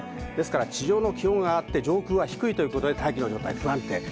地上の気温が上がって上空が低いということで、大気の状態が不安定です。